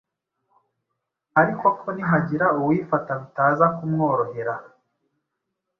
ariko ko nihagira uwifata bitaza kumworohera